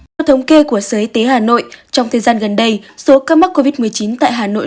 theo thống kê của sở y tế hà nội trong thời gian gần đây số ca mắc covid một mươi chín tại hà nội